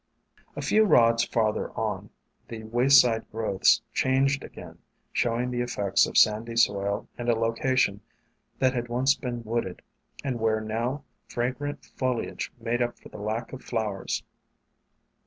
A few rods farther on, the wayside growths changed again, showing the effects of sandy soil and a location that had once been wooded, and where now fragrant foliage made up for the lack of flowers.